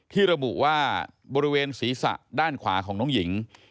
ระบุว่าบริเวณศีรษะด้านขวาของน้องหญิง